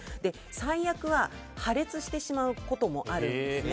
最悪は破裂してしまうこともあるんです。